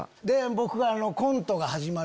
僕が。